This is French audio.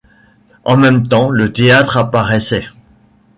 En même temps le théâtre apparaissait